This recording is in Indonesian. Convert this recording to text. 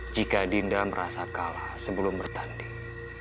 jika dinda merasa kalah sebelum bertanding